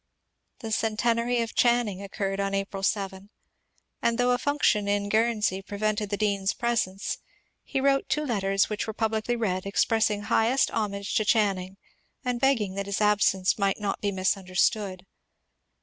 The Centenary of Channing occurred on April 7, and though a function in Guernsey prevented the dean's presence, he wrote two letters which were publicly read, expressing highest hom age to Channing, and begging that his absence might not be misunderstood.